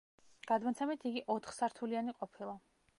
გადმოცემით იგი ოთხსართულიანი ყოფილა.